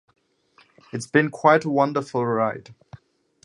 It's been quite a wonderful ride.